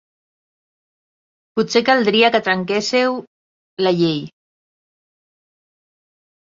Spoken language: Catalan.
Potser caldria que trenquésseu la llei.